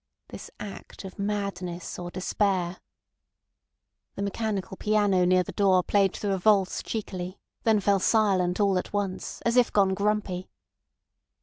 ... "This act of madness or despair." The mechanical piano near the door played through a valse cheekily, then fell silent all at once, as if gone grumpy.